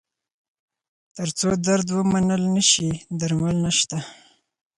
تر څو درد ومنل نه شي، درمل نشته.